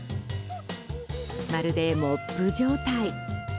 まるでモップ状態。